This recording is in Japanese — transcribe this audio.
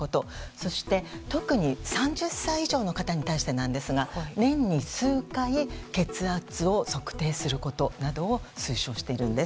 そして、特に３０歳以上の方に対してですが年に数回血圧を測定することなどを推奨しているんです。